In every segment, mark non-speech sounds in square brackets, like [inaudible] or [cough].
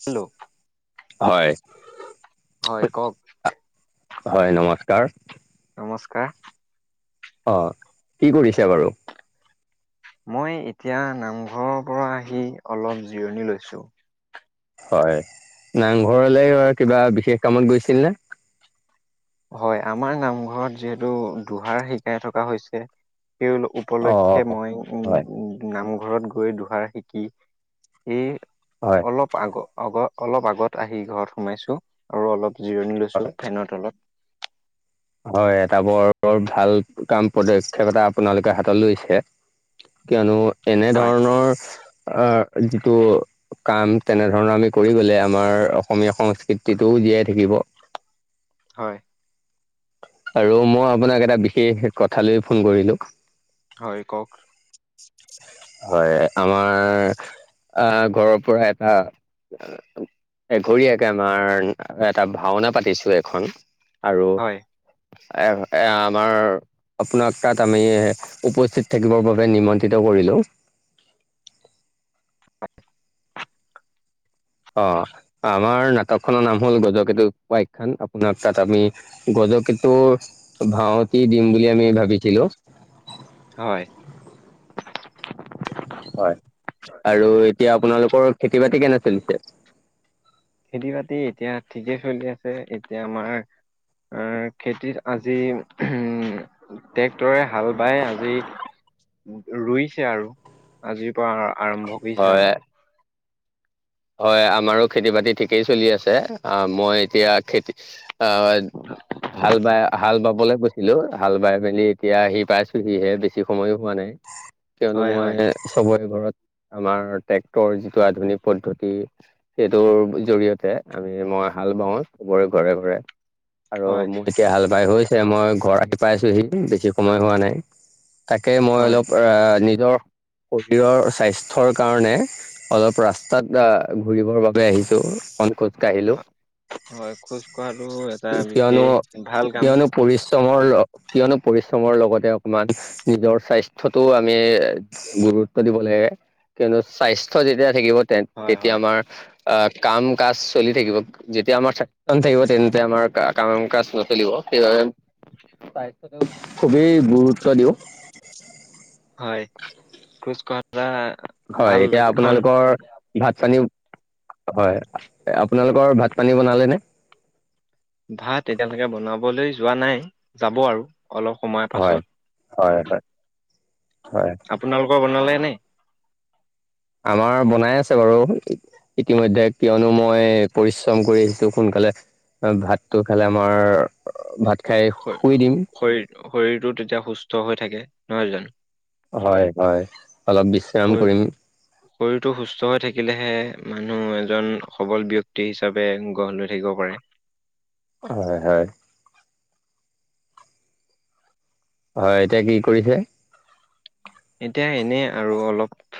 Hello হয় হয় কওক হয় নমস্কাৰ নমস্কাৰ অ কি কৰিছে বাৰু মই এতিয়া নামঘৰৰ পৰা আহি অলপ জিৰণি লৈছোঁ হয় নামঘৰলে কিবা বিশেষ কামত গৈছিল নে হয় আমাৰ নামঘৰত যিহেতু দুহাৰ শিকাই থকা হৈছে সেই উল অ উপলক্ষে মই উ হয় উ নাম ঘৰত গৈ দুহাৰ শিকি সেই হয় অলপ আগ অগৰ অলপ আগত আহি ঘৰত সোমাইছো আৰু অলপ জিৰণি লৈছো হয় ফেনৰ তলত হয় এটা বৰ ভাল কাম পদক্ষেপ এটা আপোনালোকে হাতত লৈছে কিয়নো এনে হয় ধৰণৰ আহ যিটো কাম তেনেধৰণৰ আমি কৰি গলে আমাৰ অসমীয়া সংস্কৃতিটোও জীয়াই থাকিব হয় আৰু মই আপোনাক এটা বিশেষ কথা লৈ ফোন কৰিলো হয় কওক হয় আমাৰ আহ ঘৰৰ পৰা এটা আ এঘৰীয়াকে আমাৰ এটা ভাওনা পাতিছো এখন আৰু হয় এ এ আমাৰ। আপোনাক তাত আমি উপস্থিত থাকিবৰ বাবে নিমন্ত্ৰিত কৰিলোঁ। [unintelligible] হয় [unintelligible] অ আমাৰ নাটক খনৰ নাম হ'ল গজকেটু উপাখ্যান আপোনাক তাত আমি গত। গজকেটোৰ ভাওতি দিম বুলি আমি ভাবিছিলো। হয়। হয় আৰু এতিয়া আপোনালোকৰ খেতি বাতি কেনে চলিছে। খেতি বাতি এতিয়া ঠিকে চলি আছে এতিয়া আমাৰ। আহ খেতিত আজি উম ট্ৰেক্টৰে হাল বাই আজি। ৰুইছে আৰু আজিৰ পৰা আ আৰম্ভ কৰিছে হয় আৰু। হয় আমাৰো খেতি বাতি ঠিকেই চলি আছে আহ মই এতিয়া খেতি। আ হাল বাই হাল বাব। চাবলৈ গৈছিলো হাল বাই মেলি এতিয়া আহি পাইছোহিহে বেছি সময়ো হোৱা নাই। কিয়নো হয় মই হয় চবৰে ঘৰত আমাৰ ট্ৰেক্টৰ যিটো আধুনিক পদ্ধতি। সেইটোৰ জৰিয়তে আমি মই হাল বাওঁ চবৰে ঘৰে ঘৰে। আৰু হয়। মোৰ এতিয়া হাল বাই হৈছে মই ঘৰ ৰাতি পাই আছোহি বেছি সময় হোৱা নাই। তাকে মই হয় অলপ নিজৰ। শৰীৰৰ স্বাস্থ্যৰ কাৰণে অলপ ৰাস্তাত। ঘূৰিবৰ বাবে আহিছো। কাঢ়িলো হয় খোজ কঢ়াটো এটা কিয়নো বিশেষ ভাল কাম। কিয়নো পৰি। তোমাৰ লগৰ। কিয়নো পৰিশ্ৰমৰ লগতে অকমান নিজৰ স্বাস্থ্যতো আমি গুৰুত্ব দিব লাগে। কিয়নো স্বাস্থ্য যেতিয়া থাকিব তে হয় তেতিয়া হয়। আমাৰ। অ কাম কাজ চলি থাকিব যেতিয়া আমাৰ থাকিব তেন্তে আমাৰ কাম কাজ নচলিব। সেইব স্বাস্থ্যটো খুবেই গুৰুত্ব দিওঁ। হয় খোজ কৰা। হয় এতিয়া আপোনালোকৰ ভাত পানী হয়। আপোনালোকৰ ভাত পানী বনালে নে ভাত এতিয়ালৈকে বনাব। কৰলৈ যোৱা নাই যাব আৰু অলপ সময় হয় হয় পাছত। হয় হয় আপোনালোকৰ বনালেনে? আমাৰ বনাই আছে বাৰু ইতিমধ্যে কিয়নো মই পৰিশ্ৰম কৰি আহিছো সোনকালে। ভাতটো খালে আমাৰ ভাত। খাই শুই শৰীৰ দিম শৰীৰটো তেতিয়া সুস্থ হৈ থাকে নহয় জানো। হয় হয় অলপ বিশ্ৰাম শ কৰিম শৰীৰটো সুস্থ হৈ থাকিলেহে। মানুহ এজন সবল ব্যক্তি হিচাপে গঢ় লৈ থাকিব পাৰে। হয় হয়। হয় এতিয়া কি কৰিছে। এতিয়া এনে আৰু অলপ।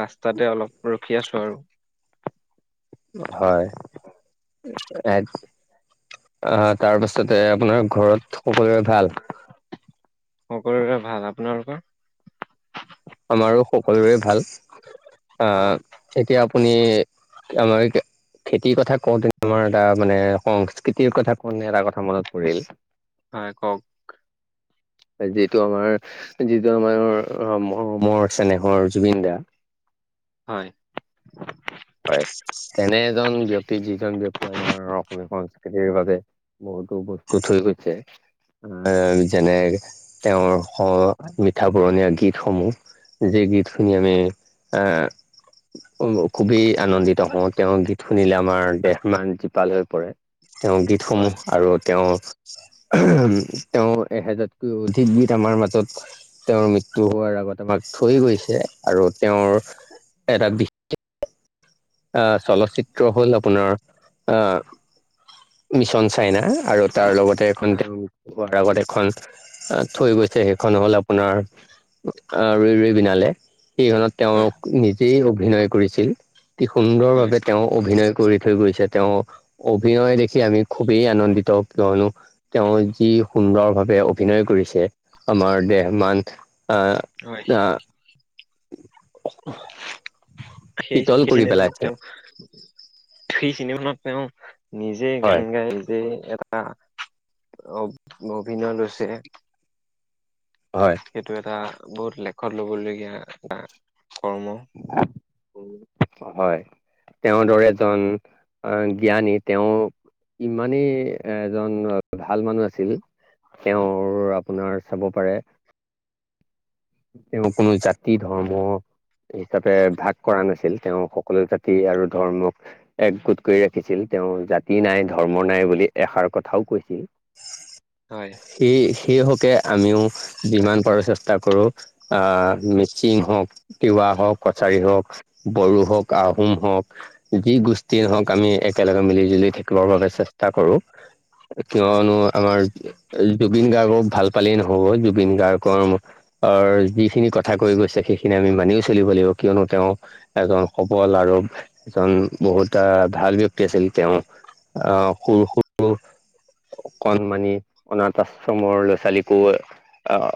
ৰাস্তাতে অলপ ৰখি আছো আৰু। হয়। অহ তাৰ পাছতে আপোনাৰ ঘৰত সকলো ভাল। সকলোৰে ভাল আপোনালোকৰ। আমাৰো সকলোৰে ভাল অ'। আহ এতিয়া আপুনি। আমাৰকে। খেতিৰ কথা কওঁতে আমাৰ এটা মানে সংস্কৃতিৰ কথা কওঁতে এটা কথা মনত পৰিল। ক ক। যিটো আমাৰ যিটো আমাৰ সম। অ মোৰ চেনেহৰ জুবিন দা। হয়। হয়, তেনে এজন ব্যক্তি যিজন ব্যক্তি আমাৰ অসমীয়া সংস্কৃতিৰ বাবে বহু বহু বস্তু থৈ গৈছে। আহ, যেনে তেওঁৰ স মিঠা পুৰণীয়া গীতসমূহ। যি গীত শুনি আমি আ [unintelligible] খুবেই আনন্দিত হওঁ তেওঁৰ গীত শুনিলে আমাৰ দেহ মান জীপাল হৈ পৰে। তেওঁৰ গীতসমূহ হয়। আৰু তেওঁৰ তেওঁ এহেজাৰতকৈ অধিকবিধ আমাৰ মাজত তেওঁৰ মৃত্যু হোৱাৰ আগত তোমাক থৈ গৈছে আৰু তেওঁৰ এটা বিশ আহ, চলচিত্ৰ হ'ল আপোনাৰ আহ মিছন চাইনা আৰু তাৰ লগতে এখন হয় তেওঁ প্ৰতাৰ ৱাৰ আগত এখন থৈ গৈছে সেইখন হ'ল আপোনাৰ অহ ৰৈ ৰৈ বিনালে সেইখনত হয় তেওঁক নিজেই অভিনয় কৰিছিল অতি হয় সুন্দৰভাৱে তেওঁ অভিনয় কৰি থৈ গৈছে তেওঁ অভিনয় দেখি আমি খুবেই আনন্দিত কিয়নো তেওঁৰ যি সুন্দৰ ভাৱে অভিনয় কৰিছে আমাৰ দেহ মান আহ হয় -আহ সেই শীতল সেই কৰি চিনেমাখনত পেলাইছে তেওঁ সেই চিনেমাখনত তেওঁ নিজে গান হয় গাই নিজেই এটা অ -অভিনয় লৈছে হয় সেইটো এটা বহুত লেখত ল'বলগীয়া কৰ্ম হয়। তেওঁৰ দৰে এজন জ্ঞানী তেওঁ ইমানেই এজন ভাল মানুহ আছিল তেওঁৰ আপোনাৰ চাব পাৰে তেওঁ কোনো জাতি ধৰ্ম হিচাপে ভাগ কৰা নাছিল তেওঁ সকলো জাতি আৰু ধৰ্মক একগোট কৰি ৰাখিছিল। তেওঁ জাতি নাই -ধৰ্ম নাই বুলি এষাৰ কথাও কৈছিল। হয়। সেই- সেই হকে আমিও যিমান পাৰো চেষ্টা কৰোঁ আহ মিচিং হওক, তিৱা হওক, কছাৰী হওক, বড়ো হওক, আহোম হওক যি গোষ্ঠী হওক আমি একেলগে মিলি- জুলি থাকিবৰ বাবে চেষ্টা কৰো। হয় কিয়নো আমাৰ জুবিন গাৰ্গক ভাল পালেই নহ'ব জুবিন গাৰ্গৰ অহ, যিখিনি কথা কৈ গৈছে সেইখিনি আমি মানিও চলিব লাগিব কিয়নো তেওঁ এজন সবল আৰু এজন বহুত ভাল ব্যক্তি হয় আছিল তেওঁ আহ, সৰু - সৰু কনমানি অনাথ আশ্ৰমৰ ল'ৰা- ছোৱালীকো আহ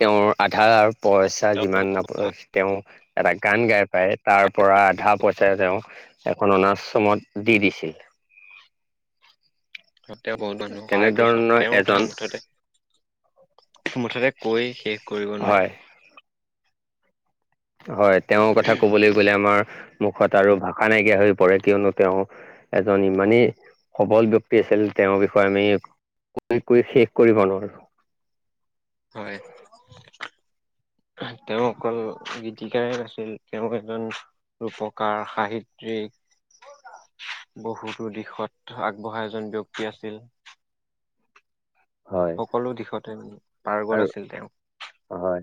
তেওঁৰ আধাৰ আৰু পইচা তেওঁ যিমান নাপ তেওঁ এটা গান গাই পাই তাৰ পৰা আধা পইচা তেওঁ এখন অনাশ্ৰমত দি দিছিল। [inaudible] তেওঁ বহুত মানুহক সহায় কৰিছে তেনেধৰণৰ তেওঁৰ এজন ঠাই মুঠতে মুঠতে কৈ শেষ কৰিব নোৱাৰি। হয় হয়, তেওঁৰ কথা কবলৈ গ'লে আমাৰ মুখত আৰু ভাষা নাইকিয়া হৈ পৰে কিয়নো তেওঁ এজন ইমানেই সবল ব্যক্তি আছিল তেওঁৰ বিষয়ে আমি কৈ-কৈ শেষ কৰিব নোৱাৰো। [inaudible] হয়। [inaudible] তেওঁ অকল গীতিকাৰে নাছিল তেওঁ এজন ৰূপকাৰ, সাহিত্যিক [inaudible] বহুতো দিশত আগবঢ়া এজন ব্যক্তি আছিল। হয় সকলো দিশতে পাৰ্গত আৰু আছিল তেওঁ। হয়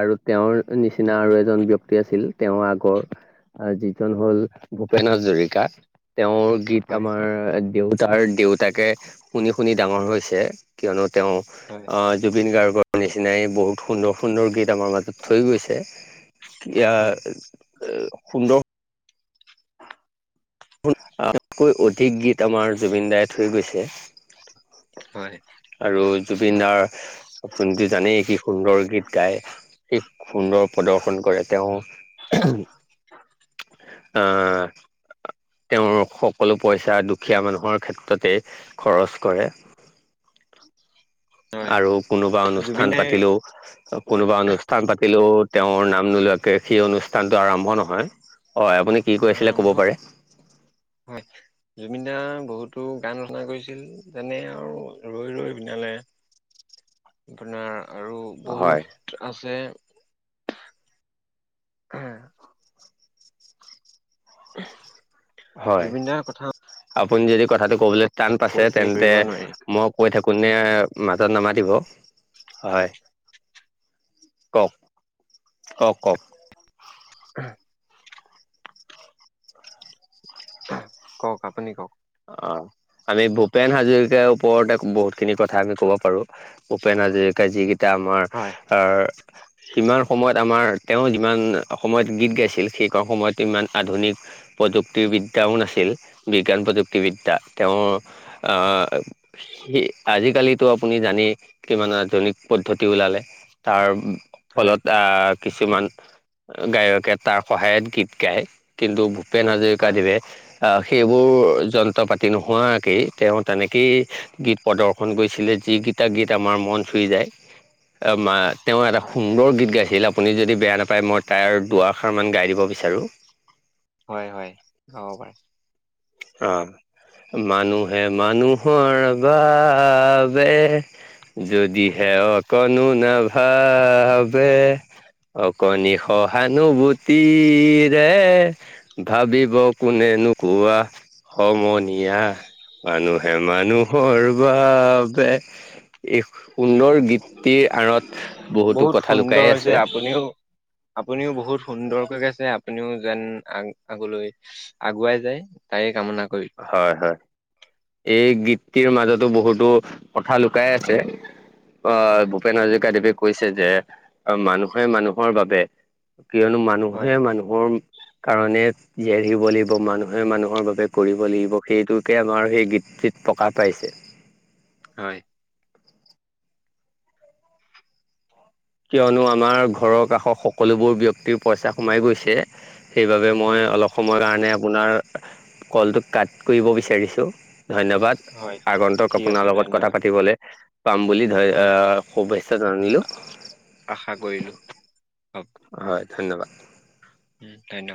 আৰু তেওঁৰ নিচিনা আৰু এজন ব্যক্তি আছিল। তেওঁৰ আগৰ আৰু যিজন হল ভূপেন হাজৰিকা তেওঁৰ গীত হয়, আমাৰ দেউতাৰ দেউতাকে শুনি শুনি ডাঙৰ হৈছে কিয়নো তেওঁ হয়, অ জুবিন গাৰ্গৰ নিচিনাই বহুত সুন্দৰ সুন্দৰ গীত আমাৰ মাজত থৈ গৈছে হয়, ইয়াৰ এ সুন্দৰ আগত কৈ অধিক গীত আমাৰ জুবিন দাই থৈ গৈছে হয়, আৰু জুবিনদাৰ আপুনিতো জানেই কি সুন্দৰ গীত গায়। কি সুন্দৰ প্ৰদৰ্শন কৰে তেওঁ অহ তেওঁৰ সকলো পইচা দুখীয়া মানুহৰ ক্ষেত্ৰতে খৰচ কৰে। [inaudible] হয়। আৰু কোনোবা জুবিন অনুষ্ঠান দাই পাতিলেও কোনোবা অনুষ্ঠান পাতি থাকিলো তেওঁৰ নাম নোলোৱাকে সেই অনুষ্ঠানতটো আৰম্ভ নহয় হয় আপুনি কি কৈ আছিলে আৰম্ভ কব পাৰে জুবিনদাই বহুতো গান ৰচনা কৰিছিল যেনে আৰু ৰৈ ৰৈ বিনালে [inaudible] আপোনাৰ আৰু হয় বহুত আছে হা [unintelligible] হয় জুবিনদাৰ কথা আপুনি যদি কথাটো ক'বলৈ টান পাইছে কৈ শেষ তেন্তে কৰিব নোৱাৰি। মই কৈ থাকো নে মাজত নমাতিব হয় কওক কওক কওক হএ ন [inaudible] কওক আপুনি কওক অহ আমি ভূপেন হাজৰিকাৰ ওপৰতে বহুতখিনি কথা আমি ক'ব পাৰো ভূপেন হাজৰিকাৰ যি এতিয়া আমাৰ হয়, সিমান সময়ত আমাৰ তেওঁ যিমান অসমত গীত গাইছিল সেই সময়ত ইমান আধুনিক প্ৰযুক্তি বিদ্যাও নাছিল বিজ্ঞান প্ৰযুক্তি প্ৰযুক্তি বিদ্যা তেওঁৰ, আজিকালি ত আপুনি জানেই কিমান কিমান আধুনিক পদ্ধতি ওলালে তাৰ হয়, ফলত অহ কিছুমান গায়কে তাৰ সহায়ত গীত গায় কিন্তু ভূপেন হাজৰিকা হয়, দৱে আহ সেইবোৰ যন্ত্ৰ পাতি নোহোৱাকেই তেওঁ তেনেকেই গীত প্ৰদৰ্শন কৰিছিলে যিকেইটা গীত আমাৰ মন চুই যায় তেওঁ এটা হয়, সুন্দৰ গীত গাইছিল আপুনি যদি বেয়া নাপায় মই তাইৰ দুষাৰ মান গাই দিব বিচাৰো হয় হয় গাব পাৰা অহ মানুহে মানুহৰ বাবে যদিহে অকণো নাভাবে অকণনি সহানুভূতি তিৰে ভাবিব কোনে নো কোৱা সমনীয়া মানুহে মানুহৰ বাবে এই সুন্দৰ গীতটিৰ আঁৰত বহুতো বহুত কথা সুন্দৰ লুকাই হৈছে আছে আপুনিও আপুনিও বহু সুন্দৰকৈ গাইছে আপুনিও যেন আগলৈ আগুৱাই যায় তাই হয় হয় এই গীত গীতটি ৰ মাজতো বহুতো কথা লুকাই আছে হয় ভূপেন হাজৰিক দেৱে কৈছে যে মানুহে মানুহৰ বাবে কিয়নো মানুহে হয় মানুহৰ কাৰণে জীয়ই থাকিব লাগিব মানুহে মানুহৰ বাবে কৰিব লাগিব সেইটোকে আমাৰ সেই গীতটিত প্ৰকাশ পাইছে হয় কিয়নো আমাৰ ঘৰৰ কাষৰ সকলোবোৰ ব্যক্তিৰ পইচা সোমাই গৈছে সেইবাবে মই হয় অলপ সময়ৰ কাৰণে আপোনাৰ কলটো কাট কৰিব বিচাৰিছোঁ ধন্যবাদ হয় ঠিক আগন্তক ঠিক আছে আপোনাৰ লগত কথা ধন্যবাদ পাতিবলৈ পাম বুলি হয় শুভেচ্ছ জানিলোঁ আশা কৰিলো হয় ধন্যবাদ উম ধন্যবাদ